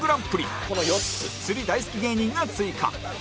釣り大好き芸人が追加